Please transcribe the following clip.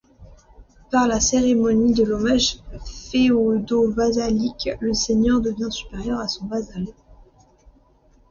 Par la cérémonie de l'hommage féodo-vassalique, le seigneur devient supérieur à son vassal.